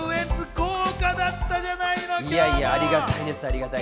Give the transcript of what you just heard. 豪華だったじゃないの！